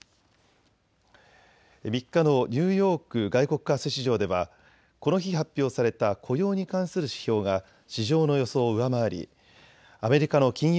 ３日のニューヨーク外国為替市場ではこの日発表された雇用に関する指標が市場の予想を上回りアメリカの金融